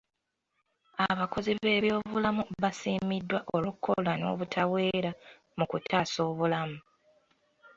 Abakozi b'ebyobulamu basiimiddwa olw'okola n'obutaweera mu kutaasa obulamu.